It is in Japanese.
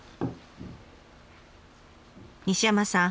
西山さん